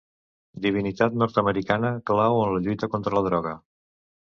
Divinitat nord-americana clau en la lluita contra la droga.